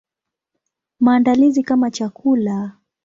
Maandalizi kama chakula.